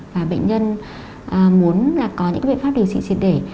và bệnh nhân muốn là có những biện pháp điều trị triệt để